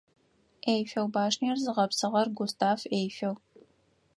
Эйфел башнэр зыгъэпсыгъэр Густав Эйфел.